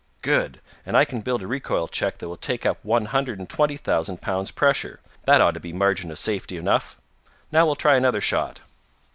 "Good! And I can build a recoil check that will take up to one hundred and twenty thousand pounds pressure. That ought to be margin of safety enough. Now we'll try another shot."